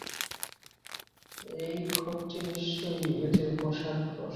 এই ঘরটি নিশ্চয়ই এদের বসার ঘর।